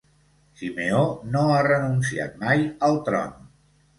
Simeó no ha renunciat mai al tron.